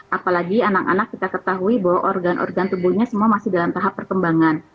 apalagi anak anak kita ketahui bahwa organ organ tubuhnya semua masih dalam tahap perkembangan